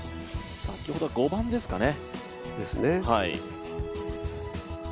先ほどは５番ですかね。